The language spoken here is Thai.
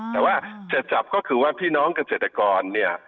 แต่ว่าเจ็บจับก็คือว่าพี่น้องเกษตรกร